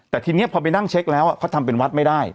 แต่ทีนี้พอไปนั่งเช็คแล้วเขาทำเป็นวัดไม่ได้